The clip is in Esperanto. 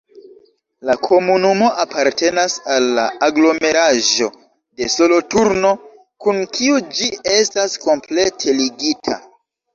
La komunumo apartenas al la aglomeraĵo de Soloturno, kun kiu ĝi estas komplete ligita.